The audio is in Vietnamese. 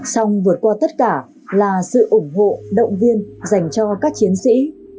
xong vượt qua tất cả là sự ủng hộ động viên dành cho các chiến sĩ